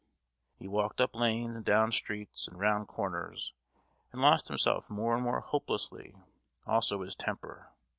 He walked up lanes, and down streets, and round corners, and lost himself more and more hopelessly; also his temper.